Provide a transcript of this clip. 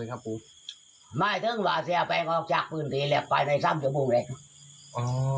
ครับไม่ถึงหวะเฟย์ครับคุณ